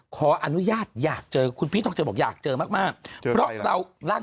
คือขออนุญาตอยากเจอคุณพีชจะบอกอยากเจอมากเพราะเราร่าง